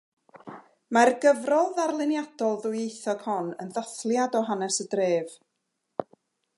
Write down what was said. Mae'r gyfrol ddarluniadol ddwyieithog hon yn ddathliad o hanes y dref.